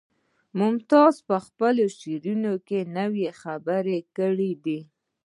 ممتاز په خپلو شعرونو کې نوې خبرې کړي دي